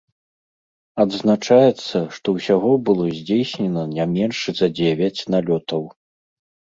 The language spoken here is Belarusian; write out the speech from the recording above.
Адзначаецца, што ўсяго было здзейснена не менш за дзевяць налётаў.